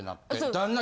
旦那